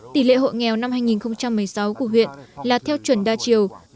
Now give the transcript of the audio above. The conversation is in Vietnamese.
tỷ lệ hộ nghèo năm hai nghìn một mươi sáu của huyện là theo chuẩn đa chiều